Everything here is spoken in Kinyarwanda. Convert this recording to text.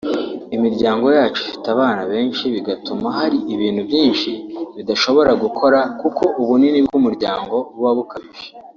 Imiryango yacu ifite abana benshi bigatuma hari ibintu byinshi badashobora gukora kuko ubunini bw’umuryango buba bukabije”